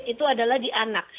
itu adalah di anak